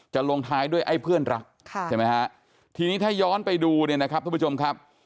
ลงท้ายด้วยไอ้เพื่อนรักใช่ไหมฮะทีนี้ถ้าย้อนไปดูเนี่ยนะครับทุกผู้ชมครับ